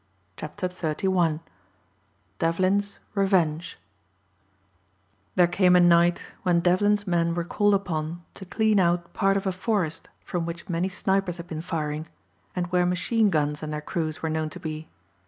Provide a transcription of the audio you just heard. CHAPTER XXXI DEVLIN'S REVENGE THERE came a night when Devlin's men were called upon to clean out part of a forest from which many snipers had been firing, and where machine guns and their crews were known to be.